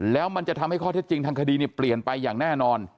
แล้วมันจะทำให้ข้อเท็จจริงทางคดีเปลี่ยนไปอย่างแน่นอน